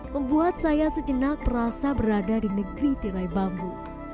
membuat saya sejenak merasa berada di negeri tirai bambu